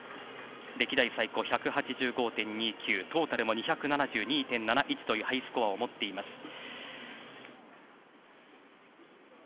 トータルも２７２．７１というハイスコアを持っています。